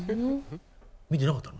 見てなかったの？